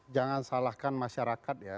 jangan salahkan masyarakat ya